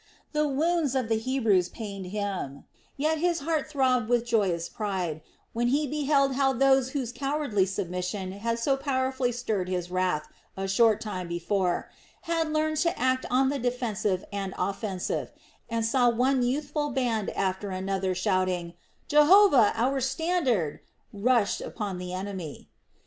The wounds of the Hebrews pained him, yet his heart throbbed with joyous pride, when he beheld how those whose cowardly submission had so powerfully stirred his wrath a short time before, had learned to act on the defensive and offensive; and saw one youthful band after another shouting: "Jehovah our standard!" rush upon the enemy.